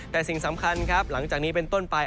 แต่สิ่งสำคัญครับหลังจากนี้เป็นต้นไป